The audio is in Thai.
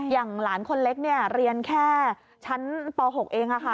อย่างหลานคนเล็กเรียนแค่ชั้นป๖เอง